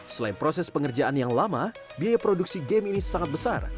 selain proses pengerjaan yang lama biaya produksi game ini sangat besar